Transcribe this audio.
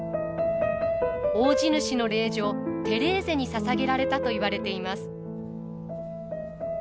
大地主の令嬢テレーゼにささげられたといわれています。